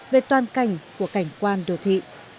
về toàn cảnh của cảnh quan đô thị